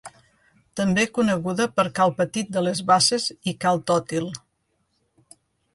També coneguda per cal Petit de les Basses i cal Tòtil.